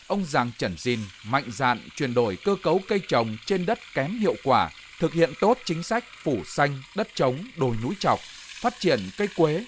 ông giàng trẩn dìn mạnh dạn chuyển đổi cơ cấu cây trồng trên đất kém hiệu quả thực hiện tốt chính sách phủ xanh đất trống đồi núi trọc phát triển cây quế